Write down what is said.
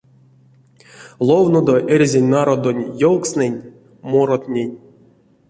Ловнодо эрзянь народонь ёвкстнэнь, моротнень.